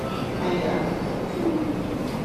哎呀!